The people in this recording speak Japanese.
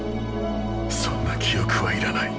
そんな記憶はいらない。